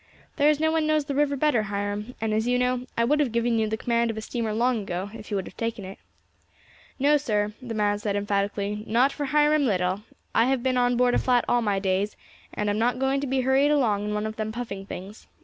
"There is no one knows the river better, Hiram; and, as you know, I would have given you the command of a steamer long ago if you would have taken it." "No, sir," the man said emphatically, "not for Hiram Little. I have been on board a flat all my days, and am not going to be hurried along in one of them puffing things.